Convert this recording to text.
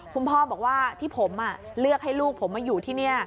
คุณพ่อบอกว่าที่ผมเลือกให้ลูกผมมาอยู่ที่นี่